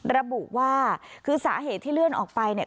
ระบุว่าคือสาเหตุที่เลื่อนออกไปเนี่ย